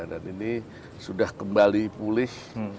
dan ini sudah kembali pulih